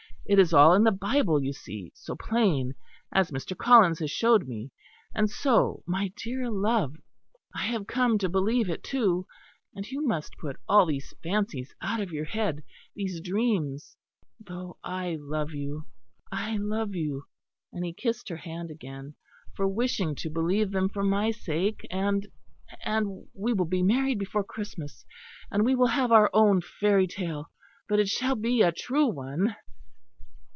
It is all in the Bible you see; so plain, as Mr. Collins has showed me. And so, my dear love, I have come to believe it too; and you must put all these fancies out of your head, these dreams; though I love you, I love you," and he kissed her hand again, "for wishing to believe them for my sake and and we will be married before Christmas; and we will have our own fairy tale, but it shall be a true one."